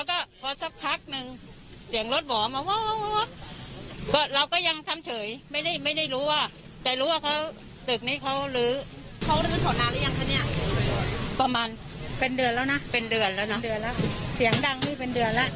ก็ยังทำเฉยไม่ได้รู้ว่าแต่รู้ว่าตึกนี้เขาลื้อ